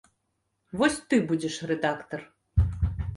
Вось ты будзеш рэдактар.